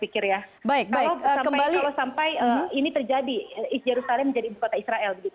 kalau sampai ini terjadi yerusalem menjadi bukata israel